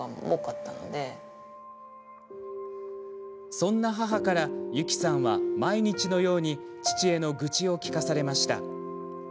そんな母からゆきさんは毎日のように父への愚痴を聞かされました。